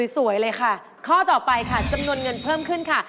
สวยเลยค่ะข้อต่อไปค่ะจำนวนเงินเพิ่มขึ้นค่ะ